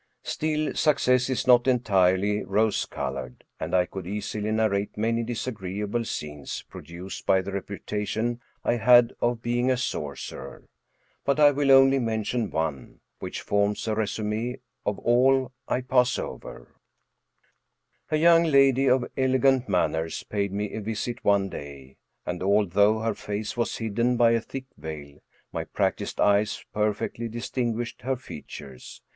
Still, success is not entirely rose colored, and I could 2IO M. Robert'Houdin easily narrate many disagreeable scenes produced by the reputation I had of being a sorcerer ; but I will only men tion one, which forms a resume of all I pass over: A young lady of elegant manners paid me a visit one day, and although her face was hidden by a thick veil, my practiced eyes perfectly distinguished her features.